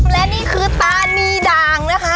และนี่คือตานีด่างนะคะ